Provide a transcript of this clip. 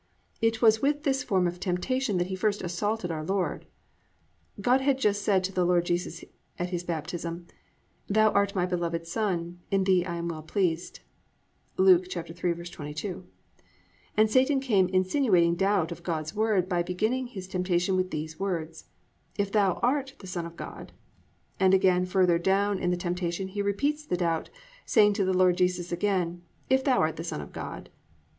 It was with this form of temptation that he first assaulted our Lord. God had just said to the Lord Jesus at His baptism, +"Thou art my beloved Son; in thee I am well pleased"+ (Luke 3:22), and Satan came insinuating doubt of God's Word by beginning his temptation with these words: +"If thou art the Son of God,"+ and again further down in the temptation, he repeats the doubt, saying to the Lord Jesus again: +"If thou art the Son of God."